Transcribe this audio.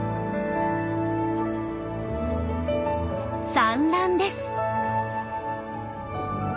産卵です。